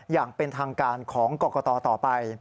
อย่างเป็นทางการของกรกตต่อไป